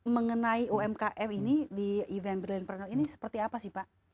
mengenai umkm ini di event brilliantpreneur ini seperti apa sih pak